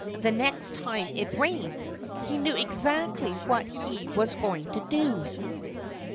The next time it rained he knew exactly what he was going to do.